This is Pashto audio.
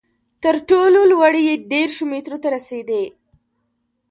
تر ټولو لوړې یې دېرشو مترو ته رسېدې.